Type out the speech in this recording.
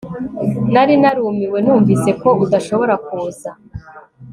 nari narumiwe numvise ko udashobora kuza